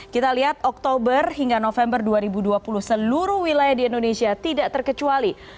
kita lihat oktober hingga november dua ribu dua puluh seluruh wilayah di indonesia tidak terkecuali